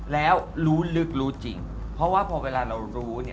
แล้วรู้ลึกรู้จริงเพราะว่าพอเวลาเรารู้เนี่ย